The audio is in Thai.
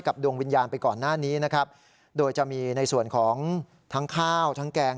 ดวงวิญญาณไปก่อนหน้านี้นะครับโดยจะมีในส่วนของทั้งข้าวทั้งแกง